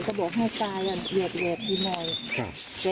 เจ๊ก็เลยมาดินไอ้ไม้เนี่ยได้เห็นค่ะ